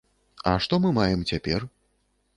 А што мы маем цяпер?